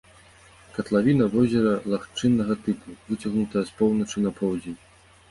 Катлавіна возера лагчыннага тыпу, выцягнутая з поўначы на поўдзень.